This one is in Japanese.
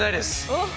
おっ。